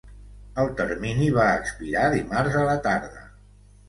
El termini va expirar dimarts a la tarda.